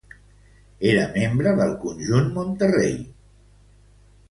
Cortijo era membre del Conjunto Monterrey, situat a Monterrey, Mèxic.